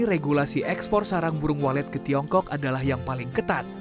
regulasi ekspor sarang burung walet ke tiongkok adalah yang paling ketat